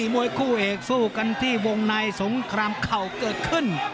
มวยคู่เอกสู้กันที่วงในสงครามเข่าเกิดขึ้น